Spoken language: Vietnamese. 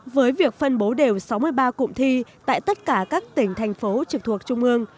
với việc phân bố đều sáu mươi ba cụm thi tại tất cả các tỉnh thành phố trực thuộc trung ương